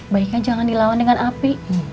baiknya jangan dilawan dengan api